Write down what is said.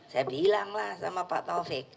saya bilanglah sama pak taufik